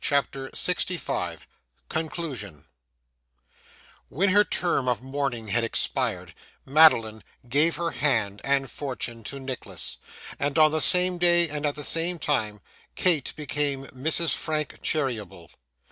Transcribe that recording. CHAPTER 65 Conclusion When her term of mourning had expired, Madeline gave her hand and fortune to Nicholas; and, on the same day and at the same time, Kate became Mrs. Frank Cheeryble.